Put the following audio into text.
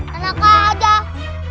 tenang kak dah